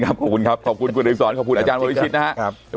ครับขอบคุณครับขอบคุณกุฎิสรขอบคุณอาจารย์โมริชิตนะครับทุก